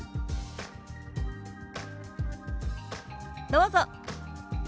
どうぞ。